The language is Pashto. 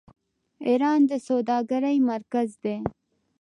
ایران د سوداګرۍ مرکز دی.